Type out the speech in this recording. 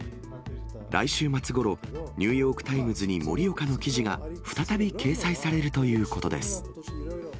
来週末ごろ、ニューヨークタイムズに盛岡の記事が再び掲載されるということです。